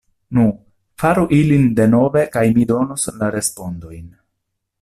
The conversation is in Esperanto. Nu, faru ilin denove kaj mi donos la respondojn.